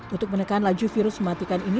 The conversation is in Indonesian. untuk menekan laju virus mematikan ini